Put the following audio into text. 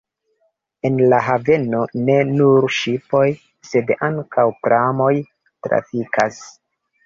En la haveno ne nur ŝipoj, sed ankaŭ pramoj trafikas.